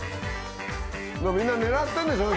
みんな狙ってんでしょ？